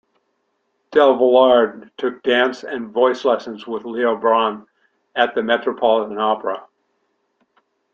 Del Villard took dance and voice lessons with Leo Braun at the Metropolitan Opera.